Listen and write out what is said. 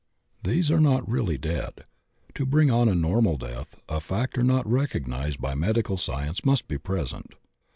These are not really dead. To bring on a normal death, a factor not recognized by medical science must be present.